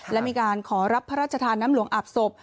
และมีการขอรับพระราชทานน้ำหลวงอาบศพ